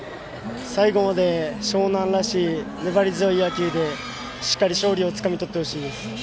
最後まで湘南らしい粘り強い野球でしっかり勝利をつかみとってほしいです。